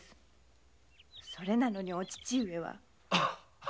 それなのにお父上は。